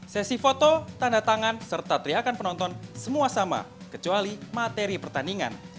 sesi foto tanda tangan serta teriakan penonton semua sama kecuali materi pertandingan